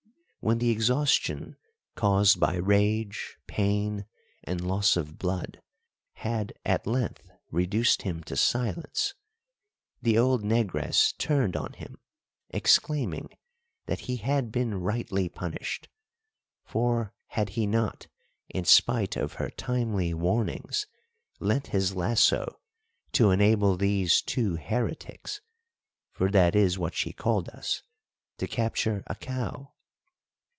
When the exhaustion caused by rage, pain, and loss of blood had at length reduced him to silence, the old negress turned on him, exclaiming that he had been rightly punished, for had he not, in spite of her timely warnings, lent his lasso to enable these two heretics (for that is what she called us) to capture a cow?